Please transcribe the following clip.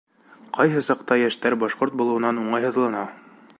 Ҡайһы саҡта йәштәр башҡорт булыуынан уңайһыҙлана.